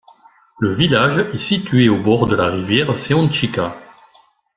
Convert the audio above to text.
Le village est situé au bord de la rivière Seončica.